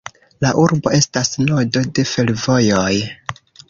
La urbo estas nodo de fervojoj.